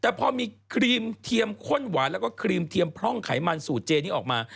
แต่พอมีครีมเทียมข้นหวานแล้วก็ครีมเทียมพร่องไขมันสูตรเจนี้ออกมา